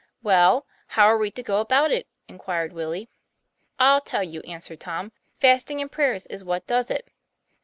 " Well, how are we to go about it ?" inquired Willie. "I'll tell you," answered Tom. 'Fasting and prayers is what does it."